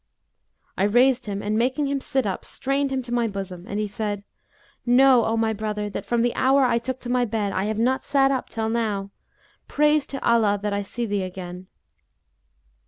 I raised him and making him sit up, strained him to my bosom, and he said, 'Know, O my brother, that, from the hour I took to my bed, I have not sat up till now: praise to Allah that I see thee again!'